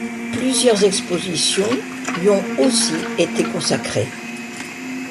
Plusieurs expositions lui ont aussi été consacrées.